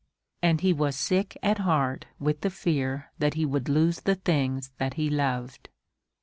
And he was sick at heart with the fear that he would lose the things that he loved.